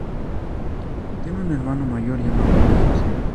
Tiene un hermano mayor llamado James.